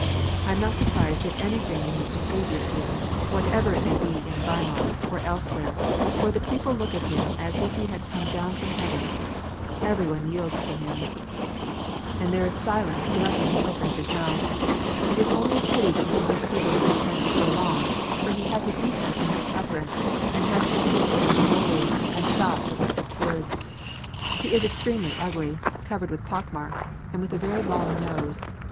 I am not surprised at anything in his behaviour here, whatever it may be in Weimar MANNHEIM. (404) or elsewhere, for the people look at him as if he had come down from heaven. Every one yields to him, and there is silence directly he opens his mouth. It is only a pity that he keeps people in suspense so long, for he has a defect in his utterance, and has to speak very slowly, and stop every six words. He is extremely ugly, covered with pockmarks, and with a very long nose.